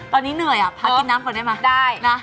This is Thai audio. ตอนนี้เหนื่อยอะพากินน้ำก่อนได้มั้ย